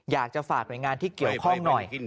อยากจะฝากหน่วยงานที่เกี่ยวข้องหน่อย